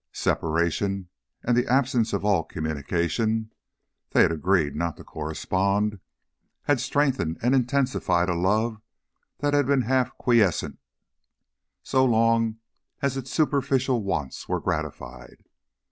Separation and the absence of all communication they had agreed not to correspond had strengthened and intensified a love that had been half quiescent so long as its superficial wants were gratified.